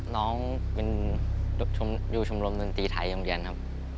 น้องเป็นอยู่ชมรมดนตรีไทยโรงเรียนครับ